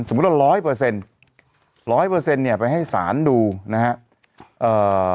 สมมุติว่า๑๐๐ไปให้สารดูนะฮะ